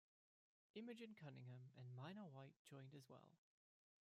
Imogen Cunningham and Minor White joined as well.